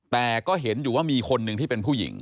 แต่ก็เห็นอยู่ว่ามีคนหนึ่งที่เป็นผู้หญิง